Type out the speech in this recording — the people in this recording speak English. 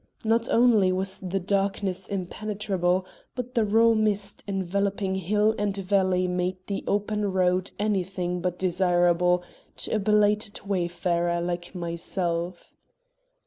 Not only was the darkness impenetrable, but the raw mist enveloping hill and valley made the open road anything but desirable to a belated wayfarer like myself.